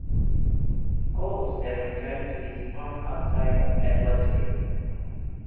Coles then returned to his farm outside of Edwardsville.